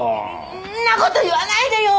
そんな事言わないでよ！